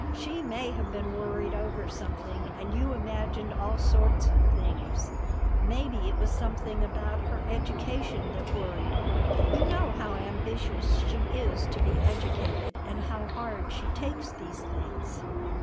She may have been worried over something, and you imagined all sorts of things. Maybe it was something about her education that worried her. You know how ambitious she is to be educated, and how hard she takes these things."